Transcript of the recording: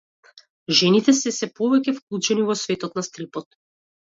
Жените се сѐ повеќе вклучени во светот на стрипот.